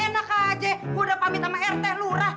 gue udah pamit sama rt lura